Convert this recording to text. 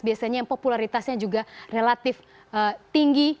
biasanya yang popularitasnya juga relatif tinggi